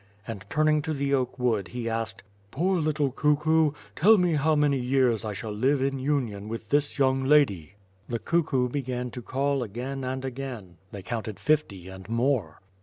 And turning to the oak wood, he asked: "Poor little cuckoo, tell me how many years I shall live in union with this young lady?" The cuckoo began to call again and again; they counted fifty and more.